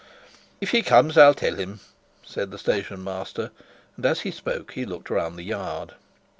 "If he comes I'll tell him," said the station master, and as he spoke he looked round the yard.